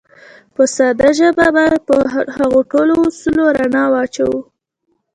په ساده ژبه به په هغو ټولو اصولو رڼا واچوو.